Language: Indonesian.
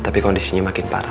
tapi kondisinya makin parah